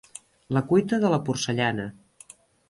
La cuita de la porcellana.